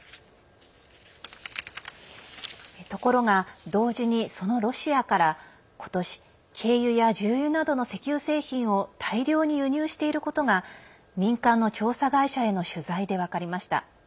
ところが同時にそのロシアから今年軽油や重油などの石油製品を大量に輸入していることが民間の調査会社への取材で分かりました。